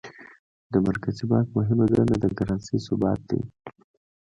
د مرکزي بانک مهمه دنده د کرنسۍ ثبات دی.